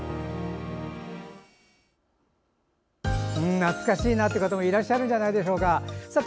懐かしいなという方もいらっしゃるのではないでしょうか。